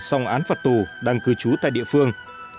xong án phạt tù đang cư trú tại địa phương